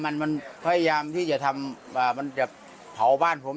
มันมันพยายามที่จะทำมันจะเผาบ้านผม